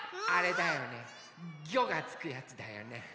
あれだよね「ギョ」がつくやつだよね。